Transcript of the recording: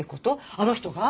あの人が？